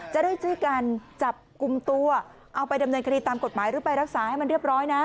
จะได้ช่วยกันจับกลุ่มตัวเอาไปดำเนินคดีตามกฎหมายหรือไปรักษาให้มันเรียบร้อยนะ